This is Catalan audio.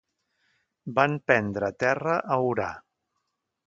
Van prendre terra a Orà.